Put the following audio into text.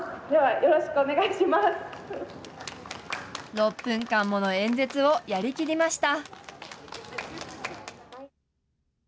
６分間もの演説をやりきりました。